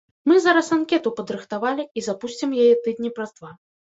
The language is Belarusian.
Мы зараз анкету падрыхтавалі і запусцім яе тыдні праз два.